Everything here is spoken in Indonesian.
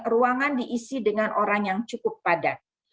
ruangan diisi dengan orang yang cukup padat